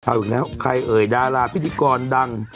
เอาอีกแล้วใครเอ่ยดาราพิธีกรดัง